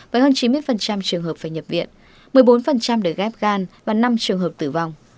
với hơn chín mươi trường hợp phải nhập viện một mươi bốn được ghép gan và năm trường hợp tử vong